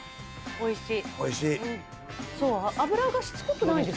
おいしい。